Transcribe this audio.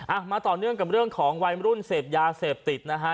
มาต่อเนื่องกับเรื่องของวัยมรุ่นเสพยาเสพติดนะฮะ